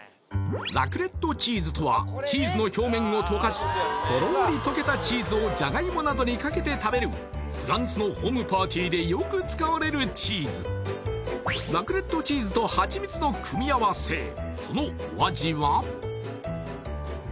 ラクレットチーズとはチーズの表面を溶かしとろーり溶けたチーズをじゃがいもなどにかけて食べるフランスのホームパーティーでよく使われるチーズラクレットチーズとハチミツの組み合わせ